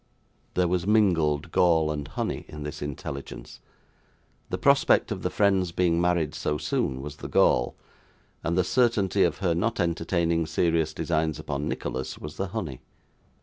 There was mingled gall and honey in this intelligence. The prospect of the friend's being married so soon was the gall, and the certainty of her not entertaining serious designs upon Nicholas was the honey.